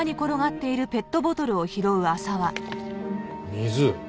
水。